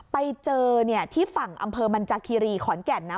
ไปเจอที่ฝั่งอำเภอมันจากคีรีขอนแก่นนะ